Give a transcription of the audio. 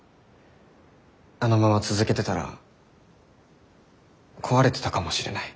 あのまま続けてたら壊れてたかもしれない。